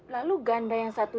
lalu ganda yang satu